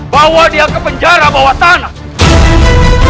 bawa dia ke penjara bawah tanah